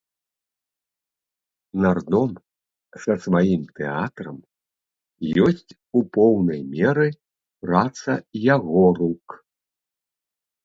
Нардом са сваім тэатрам ёсць у поўнай меры праца яго рук.